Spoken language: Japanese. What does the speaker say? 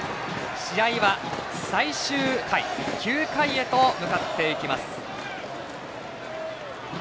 試合は最終回９回へと向かっていきます。